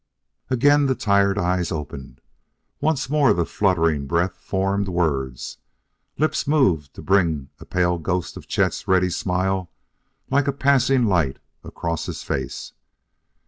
Again the tired eyes opened. Once more the fluttering breath formed words; lips moved to bring a pale ghost of Chet's ready smile like a passing light across his face.